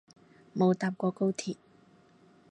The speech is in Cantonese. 冇搭過高鐵